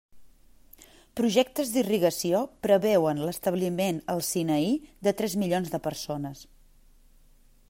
Projectes d'irrigació preveuen l'establiment al Sinaí de tres milions de persones.